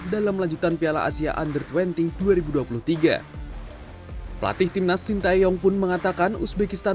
dalam lanjutan piala asia under dua puluh dua ribu dua puluh tiga pelatih timnas sintayong pun mengatakan uzbekistan